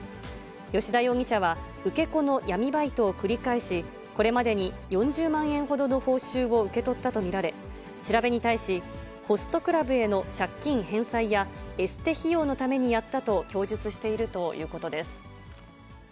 吉田容疑者は、受け子の闇バイトを繰り返し、これまでに４０万円ほどの報酬を受け取ったと見られ、調べに対し、ホストクラブへの借金返済や、エステ費用のためにやったと供述しているということです。